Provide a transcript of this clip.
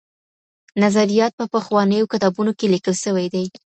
نظریات په پخوانیو کتابونو کي لیکل سوي دي.